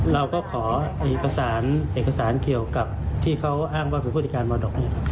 เราก็ขอเอกสารเอกสารเกี่ยวกับที่เขาอ้างว่าเป็นผู้จัดการมรดก